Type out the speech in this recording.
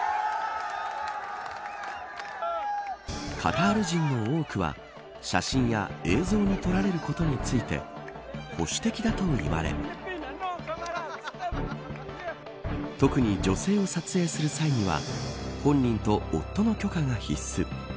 カタール人の多くは写真や映像に撮られることについて保守的だといわれ特に、女性を撮影する際には本人と夫の許可が必須。